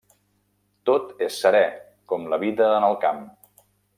Tot és serè, com la vida en el camp.